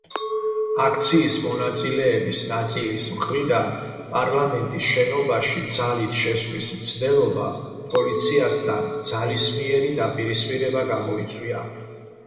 აქციის მონაწილეების ნაწილის მხრიდან პარლამენტის შენობაში ძალით შესვლის მცდელობამ პოლიციასთან ძალისმიერი დაპირისპირება გამოიწვია.